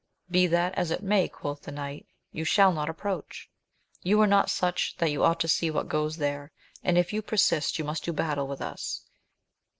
Be that as it may, quoth the knight, you shall not approach. You are not such that you ought to see what goes there ; and if you persist you must do battle with us.